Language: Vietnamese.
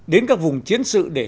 đến các vùng chiến sự để